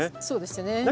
そうですね。